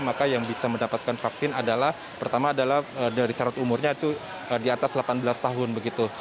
maka yang bisa mendapatkan vaksin adalah pertama adalah dari syarat umurnya itu di atas delapan belas tahun begitu